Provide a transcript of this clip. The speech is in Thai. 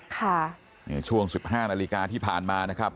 ค่ะนี่ช่วงสิบห้านาฬิกาที่ผ่านมานะครับ